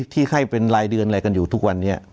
ที่ให้เป็นรายเดือนอะไรกันอยู่ทุกวันนี้